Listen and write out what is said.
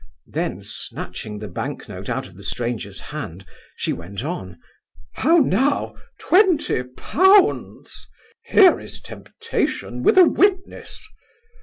Then, snatching the bank note out of the stranger's hand, she went on 'How now, twenty pounds! here is temptation with a witness!